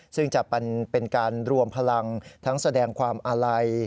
ซึ่งจะเป็นการรวมพลังทั้งแสดงความอาลัย